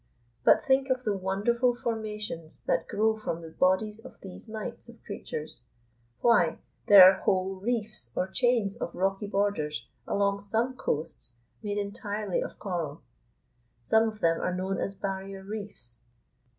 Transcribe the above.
But think of the wonderful formations that grow from the bodies of these mites of creatures! Why, there are whole reefs or chains of rocky borders along some coasts made entirely of coral. Some of them are known as barrier reefs.